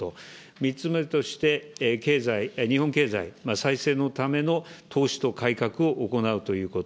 ３つ目として経済、日本経済再生のための投資と改革を行うということ。